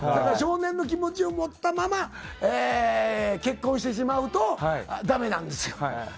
少年の気持ちを持ったまま結婚してしまうとダメなんですよ。